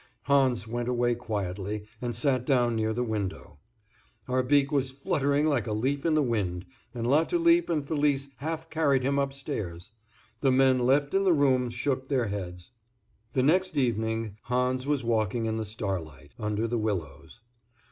Hans went away quietly, and sat down near the window. Arbique was fluttering like a leaf in the wind, and Latulipe and Felice half carried him upstairs. The men left in the room shook their heads. The next evening Hans was walking in the starlight, under the willows.